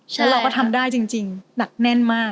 แล้วเราก็ทำได้จริงหนักแน่นมาก